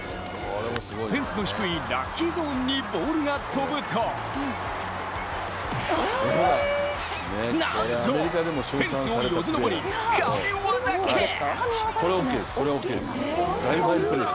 フェンスの低いラッキーゾーンにボールが飛ぶとなんとフェンスをよじ上り神技キャッチ！